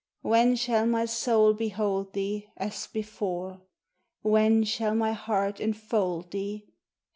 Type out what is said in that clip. When shall my soul behold thee As before? When shall my heart enfold thee?